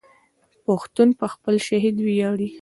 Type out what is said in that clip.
پښتون په خپل شهید ویاړي.